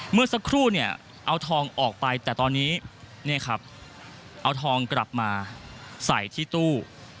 เมื่อสักครู่เนี่ยเอาทองออกไปแต่ตอนนี้เอาทองกลับมาใส่ที่ตู้